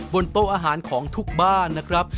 บนโต๊ะอาหารของทุกบ้านนะครับ